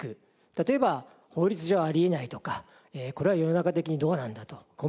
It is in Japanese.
例えば法律上あり得ないとかこれは世の中的にどうなんだとコンプライアンス。